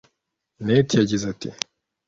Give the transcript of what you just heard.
net yagize ati